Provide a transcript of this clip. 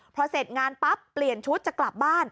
พอเสร็จงานปั๊บเปลี่ยนชุดจะกลับบ้าน